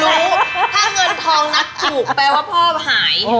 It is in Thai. ถ้าเงินทองนัดถูกแปลว่าพ่อหาย